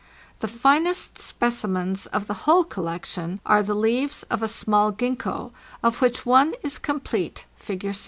"The finest specimens of the whole collection are the leaves of a small Gzxgho, of which one is complete (lig.